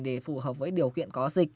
để phù hợp với điều kiện có dịch